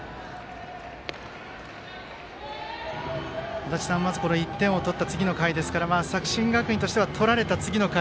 足達さん、まず１点を取った次の回ですから作新学院としては取られた次の回。